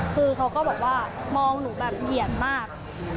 คือเขาก็บอกว่ามองหนูแบบเหยียดมาก